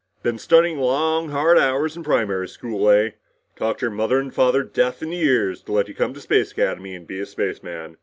"Been studying long hard hours in primary school, eh? Talked your mother and father deaf in the ears to let you come to Space Academy and be a spaceman!